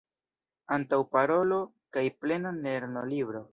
Antaŭparolo kaj plena lernolibro.